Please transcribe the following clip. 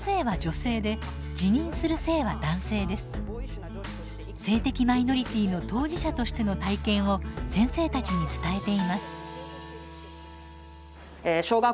性的マイノリティーの当事者としての体験を先生たちに伝えています。